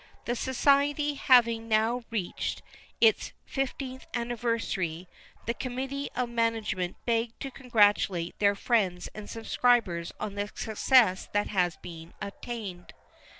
"The society having now reached its fifteenth anniversary, the committee of management beg to congratulate their friends and subscribers on the success that has been attained.